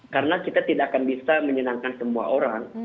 karena kita tidak akan bisa menyenangkan semua orang